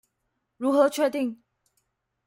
如何確定？